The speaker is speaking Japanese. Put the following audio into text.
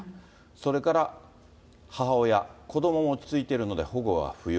それから母親、子どもも落ち着いているので保護は不要。